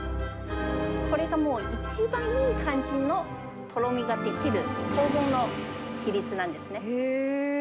これが、一番いい感じのとろみができる黄金の比率なんですね。